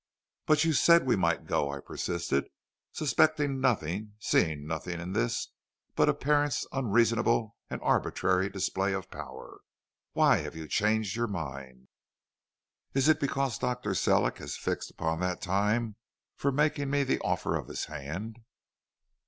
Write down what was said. "'But you said we might go,' I persisted, suspecting nothing, seeing nothing in this but a parent's unreasonable and arbitrary display of power. 'Why have you changed your mind? Is it because Dr. Sellick has fixed upon that time for making me the offer of his hand?'